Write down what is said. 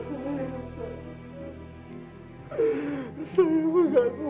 kurang ajar dia itu